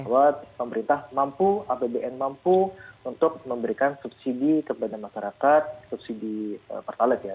bahwa pemerintah mampu apbn mampu untuk memberikan subsidi kepada masyarakat subsidi pertalite ya